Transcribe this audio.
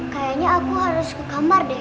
kayaknya aku harus ke kamar deh